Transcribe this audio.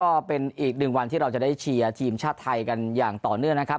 ก็เป็นอีกหนึ่งวันที่เราจะได้เชียร์ทีมชาติไทยกันอย่างต่อเนื่องนะครับ